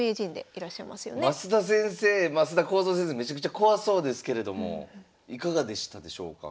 めちゃくちゃ怖そうですけれどもいかがでしたでしょうか